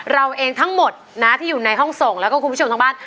เราเองทั้งหมดนะที่อยู่ในห้องส่งแล้วก็คุณผู้ชมทางบ้าน